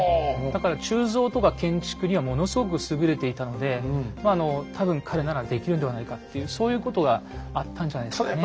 だから鋳造とか建築にはものすごく優れていたのでまああの多分彼ならできるんではないかっていうそういうことがあったんじゃないですかね。